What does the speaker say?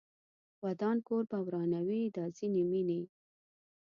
ودان کور به ورانوي دا ځینې مینې